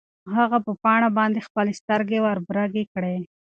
هغه په پاڼه باندې خپلې سترګې وربرګې کړې.